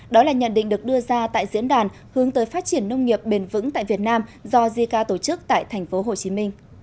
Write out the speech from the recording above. đó là nhận định được đưa ra tại diễn đàn hướng tới phát triển nông nghiệp bền vững tại việt nam do jica tổ chức tại tp hcm